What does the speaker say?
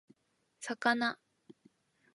魚